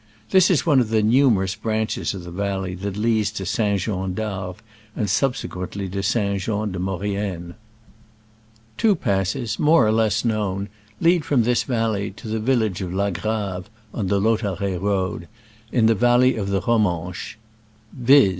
This is one of the numerous branches of the valley that leads to St. Jean d'Arve, and subsequently to St. Jean de Maurienne. Two passes, more or less known, lead from this valley to the village of La Grave (on the Lautaret road) in the val ley of the Romanche — viz.